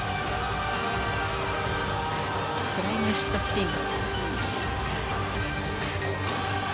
フライングシットスピン。